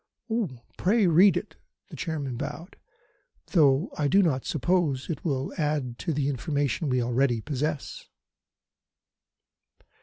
"Pray read it" the Chairman bowed "though I do not suppose it will add to the information we already possess."